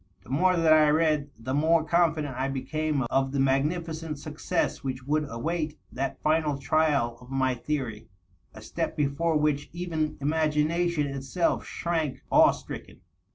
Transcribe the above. The more that I read, the more confident I became of the magnificent success wliich would await that final trial of my theory — a step before which even inu^nation itself shrank awe stricken.